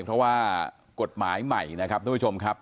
เพราะว่ากฎหมายใหม่นะครับทุกผู้ชมครับ